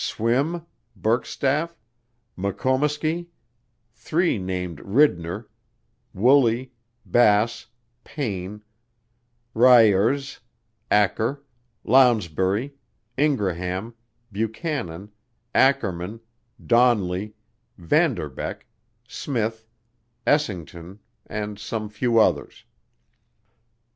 Swim, Burkstaff, McComesky, three named Ridner, Wooley, Bass, Paine, Ryerse, Acker, Lownsberry, Ingraham, Buchanan, Ackerman, Donley, Vanderbeck, Smith, Essington and some few others.